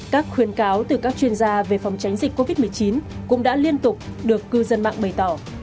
các khuyến cáo từ các chuyên gia về phòng tránh dịch covid một mươi chín cũng đã liên tục được cư dân mạng bày tỏ